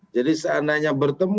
jadi seandainya bertemu